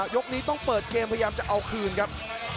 ยกนี้ต้องเปิดเกมพยายามจะเอาคืนครับ